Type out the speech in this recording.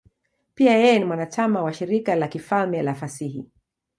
Pia yeye ni mwanachama wa Shirika la Kifalme la Fasihi.